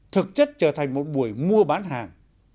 thực chất trở thành một buổi mua bán hàng